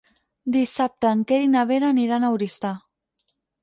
Dissabte en Quer i na Vera aniran a Oristà.